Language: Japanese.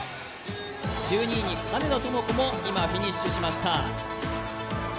１２位に金田朋子も今フィニッシュしました。